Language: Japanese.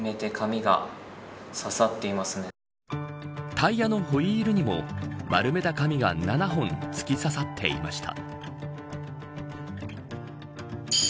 タイヤのホイールにも丸めた紙が７本、突きささっていました。